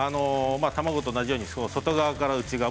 卵と同じように外側から内側。